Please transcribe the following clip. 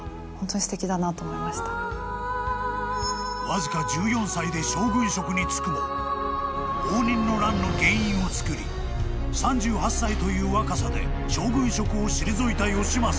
［わずか１４歳で将軍職に就くも応仁の乱の原因をつくり３８歳という若さで将軍職を退いた義政］